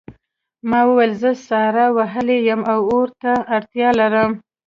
ما وویل زه ساړه وهلی یم او اور ته اړتیا لرم